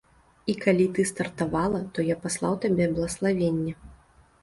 І калі ты стартавала, то я паслаў табе блаславенне.